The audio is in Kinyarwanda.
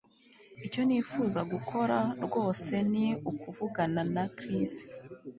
Icyo nifuza gukora rwose ni ukuvugana na Chris